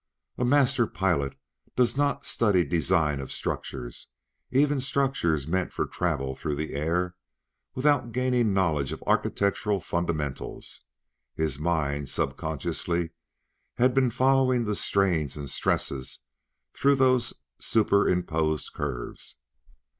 A master pilot does not study design of structures, even structures meant for travel through the air, without gaining knowledge of architectural fundamentals; his mind, subconsciously, had been following strains and stresses through those super imposed curves.